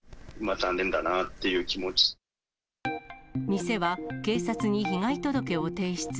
まあ、店は警察に被害届を提出。